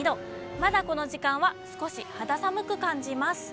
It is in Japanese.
まだこの時間は少し肌寒く感じます。